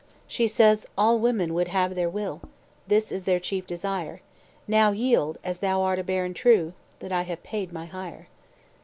She says ALL WOMEN WOULD HAVE THEIR WILL, This is their chief desire; Now yield, as thou art a baron true, That I have paid my hire."